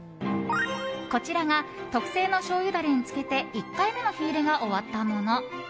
こちらが特製のしょうゆダレに漬けて１回目の火入れが終わったもの。